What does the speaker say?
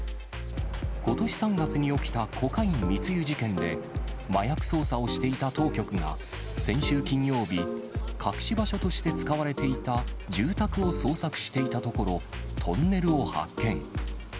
ことし３月に起きたコカインの密輸事件で、麻薬捜査をしていた当局が、先週金曜日、隠し場所として使われていた住宅を捜索していたところ、トンネルを発見。